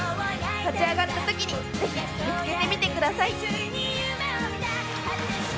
立ち上がった時にぜひ見つけてみてください。